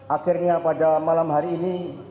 akhirnya pada malam hari ini